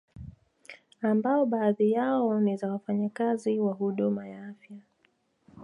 Ambao baadhi yao ni za wafanyakazi wa huduma ya afya